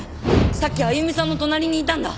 さっきあゆみさんの隣にいたんだ。